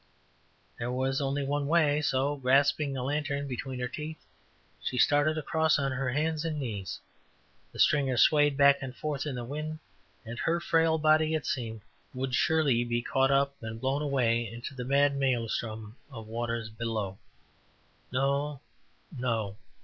There was only one way, so grasping the lantern between her teeth, she started across on her hands and knees. The stringers swayed back and forth in the wind, and her frail body, it seemed, would surely be caught up and blown into the mad maëlstrom of waters below. No! No!